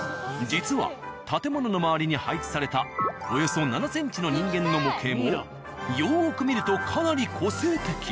実は建物の周りに配置されたおよそ７ｃｍの人間の模型もよく見るとかなり個性的。